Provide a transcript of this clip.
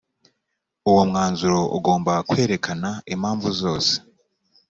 uwo mwanzuro ugomba kwerekana impamvu zose